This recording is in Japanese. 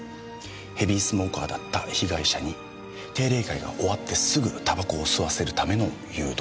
ヘビースモーカーだった被害者に定例会が終わってすぐ煙草を吸わせるための誘導。